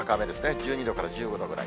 １２度から１５度ぐらい。